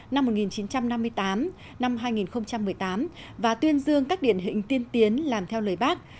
năm một nghìn chín trăm năm mươi tám năm hai nghìn một mươi tám và tuyên dương các điển hình tiên tiến làm theo lời bác